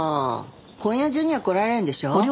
今夜中には来られるんでしょ？